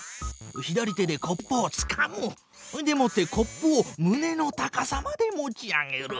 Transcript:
左手でコップをつかむ！でもってコップをむねの高さまで持ち上げる！